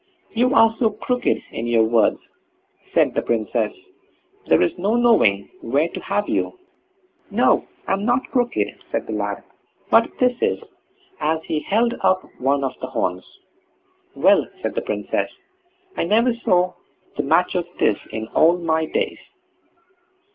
"You are so crooked in your words", said the Princess, "there's no knowing where to have you." "No, I'm not crooked", said the lad; "but this is", as he held up one of the horns. "Well!" said the Princess, "I never saw the match of this in all my days."